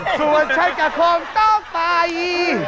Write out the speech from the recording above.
ส่วนฉันจะคงต้องไป